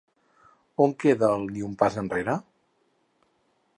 On queda el "ni un pas enrere"?